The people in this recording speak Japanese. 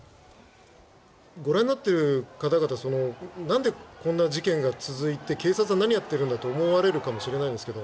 ご覧になっている方々なんでこんな事件が続いて警察は何やってるんだと思われるかもしれないんですが